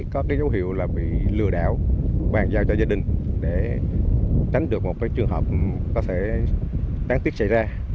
có cái dấu hiệu là bị lừa đảo bàn giao cho gia đình để tránh được một cái trường hợp có thể đáng tiếc xảy ra